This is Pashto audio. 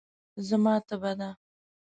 زما تبه ده.